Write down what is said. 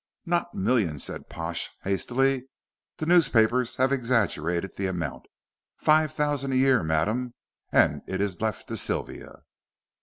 "Not millions," said Pash, hastily. "The newspapers have exaggerated the amount. Five thousand a year, madam, and it is left to Sylvia."